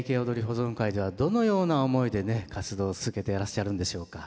保存会ではどのような思いでね活動を続けていらっしゃるんでしょうか？